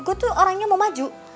gue tuh orangnya mau maju